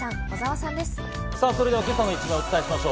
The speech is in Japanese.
さあ、それでは今朝の一面をお伝えしましょう。